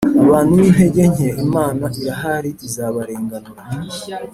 abantu b’intege nke Imana irahari izabarenganura.